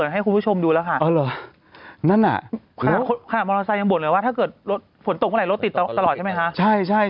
อ๋อไหนรถติดตลอดใช่ไหมคะ